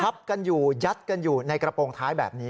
กันอยู่ยัดกันอยู่ในกระโปรงท้ายแบบนี้